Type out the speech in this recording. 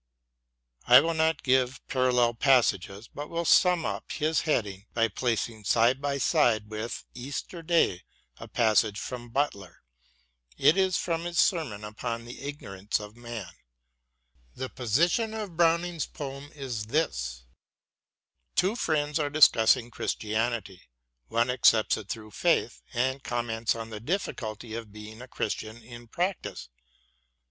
I will not give parallel passages, but will sum up this heading by placing side by side with " Easter Day " a passage from Butler. It is from his sermon upon the Ignorance of Man. The position in Browning's poem is this: Two friends are discussing Chris tianity. One accepts it through faith, and comments on the difficulty of being a Christian in practice.